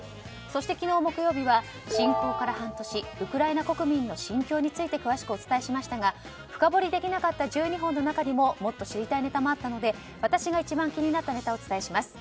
そして昨日木曜日は侵攻から半年ウクライナ国民の心境について詳しくお伝えしましたが深掘りできなかった１２本の中にももっと知りたいネタもあったので私が一番知りたいネタをお伝えします。